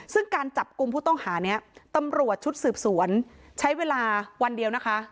ซึ่งการจับกลุ่มผู้ต้องหานี้ตำรวจชุดสืบสวนใช้เวลาวันเดียวนะคะ